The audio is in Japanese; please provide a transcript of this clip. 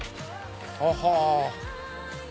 はは！